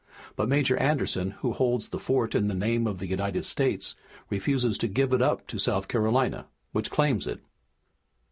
But Major Anderson, who holds the fort in the name of the United States, refuses to give it up to South Carolina, which claims it."